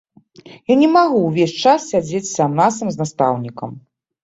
Я не магу ўвесь час сядзець сам-насам з настаўнікам.